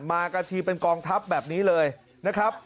มากันทีเป็นกองทัพแบบนี้เลยนะครับ